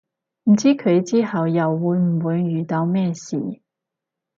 唔知佢之後又會唔會遇到咩事